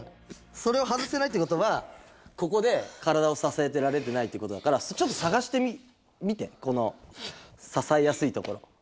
それを外せないってことはここで体をささえてられてないっていうことだからちょっとさがしてみてこのささえやすいところ。